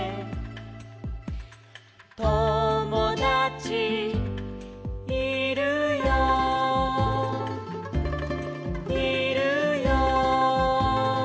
「ともだちいるよいるよいるよ」